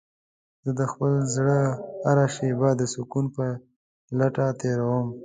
زه د خپل زړه هره شېبه د سکون په لټه تېرووم.